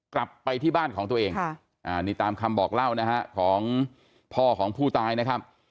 กลับไปที่บ้านของตัวเองนี่ตามคำบอกเล่านะฮะของพ่อของผู้ตายนะครับ